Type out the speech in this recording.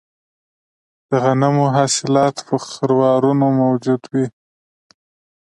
د غنمو حاصلات په خروارونو موجود وي